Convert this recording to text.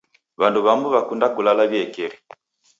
W'andu w'amu w'akunda kulala w'iekeri.